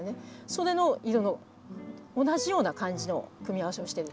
それの色の同じような感じの組み合わせをしている。